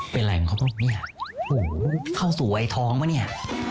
เป็นอะไรของเขาต้องเนี่ยหูเข้าสู่วัยท้องป่ะเนี่ย